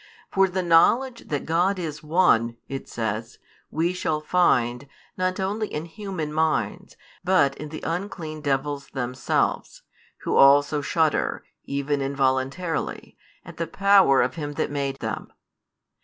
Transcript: For the knowledge that God is One, it says, we shall find, not only in human minds, but in the unclean devils themselves; who also shudder, even involuntarily, at the power of Him that made them.